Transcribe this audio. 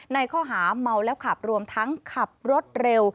ข้อหาเมาแล้วขับรวมทั้งขับรถเร็ว